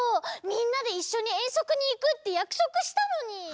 みんなでいっしょにえんそくにいくってやくそくしたのに！